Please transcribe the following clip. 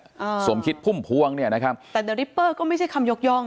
อ่าสมคิดพุ่มพวงเนี่ยนะครับแต่เดอริปเปอร์ก็ไม่ใช่คำยกย่อง